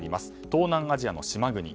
東南アジアの島国。